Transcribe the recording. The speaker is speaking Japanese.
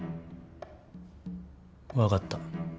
分かった。